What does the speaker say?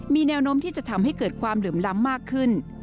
มีแนวโน้มที่จะทำให้เกิดความเหลื่อมล้ำมากขึ้น